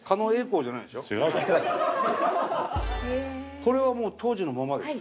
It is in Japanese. これはもう当時のままですか？